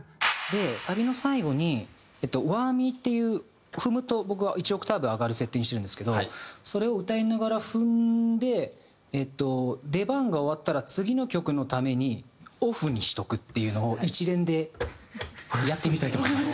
サビの最後にワーミーっていう踏むと僕は１オクターブ上がる設定にしてるんですけどそれを歌いながら踏んで出番が終わったら次の曲のためにオフにしとくっていうのを一連でやってみたいと思います。